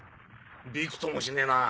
ビクともしねえな。